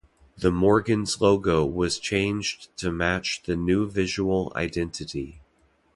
The Morgan's logo was changed to match the new visual identity.